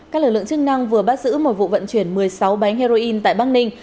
các lực lượng chức năng vừa bắt giữ một vụ vận chuyển một mươi sáu bánh heroin tại bắc ninh